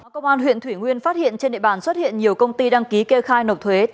công an huyện thủy nguyên phát hiện trên địa bàn xuất hiện nhiều công ty đăng ký kê khai nộp thuế